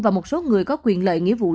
và một số người có quyền lợi nghĩa vụ liên tục